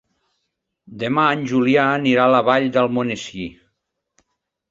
Demà en Julià anirà a la Vall d'Almonesir.